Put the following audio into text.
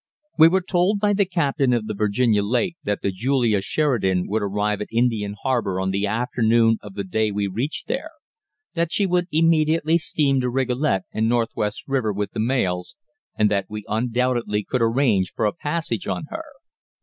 We were told by the captain of the Virginia Lake that the Julia Sheridan would arrive at Indian Harbour on the afternoon of the day we reached there; that she would immediately steam to Rigolet and Northwest River with the mails, and that we undoubtedly could arrange for a passage on her.